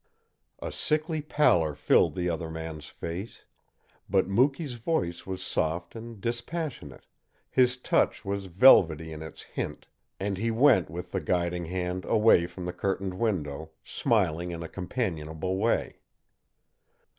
A sickly pallor filled the other man's face; but Mukee's voice was soft and dispassionate, his touch was velvety in its hint, and he went with the guiding hand away from the curtained window, smiling in a companionable way.